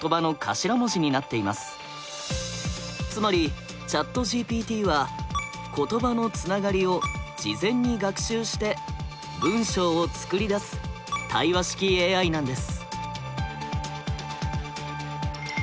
つまり「ＣｈａｔＧＰＴ」は「言葉のつながり」を「事前に学習」して「文章を作り出す」対話式ＡＩなんです。